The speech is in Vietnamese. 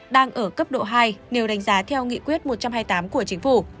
đang ở cấp độ hai nếu đánh giá theo nghị quyết một trăm hai mươi tám của chính phủ